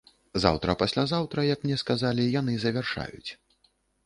Заўтра-паслязаўтра, як мне сказалі, яны завяршаюць.